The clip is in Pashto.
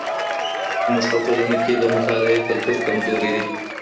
زموږ په ټولنه کي د مطالعې کلتور کمزوری دی.